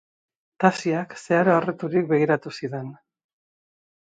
Tasiak zeharo harriturik begiratu zidan.